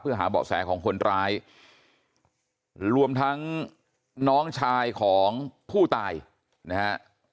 เพื่อหาเบาะแสของคนร้ายรวมทั้งน้องชายของผู้ตายนะฮะ